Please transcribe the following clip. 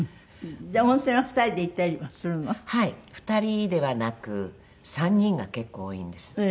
２人ではなく３人が結構多いんです。